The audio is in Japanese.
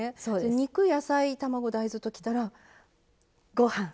肉野菜卵・大豆ときたらご飯！ですよね？